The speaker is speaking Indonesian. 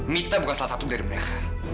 mita bukan salah satu dari mereka